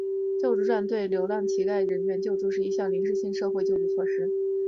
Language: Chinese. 救助站对流浪乞讨人员的救助是一项临时性社会救助措施。